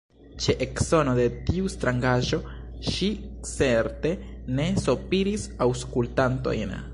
Ĉe eksono de tiu strangaĵo ŝi certe ne sopiris aŭskultantojn.